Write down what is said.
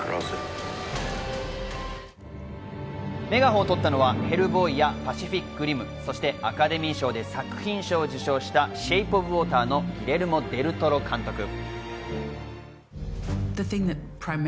メガホンを取ったのは『ヘルボーイ』や『パシフィック・リム』、そしてアカデミー賞で作品賞を受賞した『シェイプ・オブ・ウォーター』のギレルモ・デル・トロ監督。